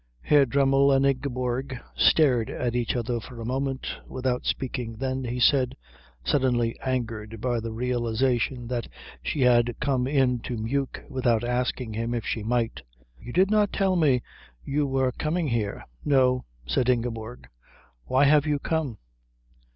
Herr Dremmel and Ingeborg stared at each other for a moment without speaking. Then he said, suddenly angered by the realisation that she had come in to Meuk without asking him if she might, "You did not tell me you were coming here." "No," said Ingeborg. "Why have you come?"